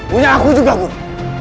punya aku juga guru